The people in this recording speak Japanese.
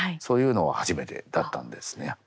そういうのは初めてだったんですね。